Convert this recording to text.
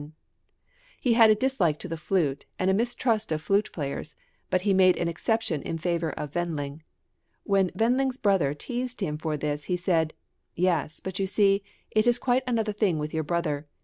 He had a dislike to the flute and a mistrust of flute players, but he made an exception in favour of Wendling. When Wend ling's brother teased him for this he said: "Yes, but you see, it is quite another thing with your brother.